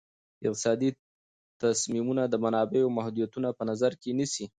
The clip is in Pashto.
اقتصادي تصمیمونه د منابعو محدودیتونه په نظر کې نیسي.